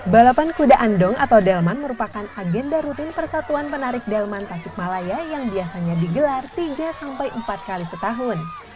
balapan kuda andong atau delman merupakan agenda rutin persatuan penarik delman tasikmalaya yang biasanya digelar tiga sampai empat kali setahun